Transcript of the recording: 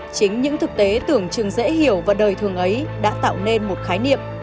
chính những thực tế tưởng chừng dễ hiểu và đời thường ấy đã tạo nên một khái niệm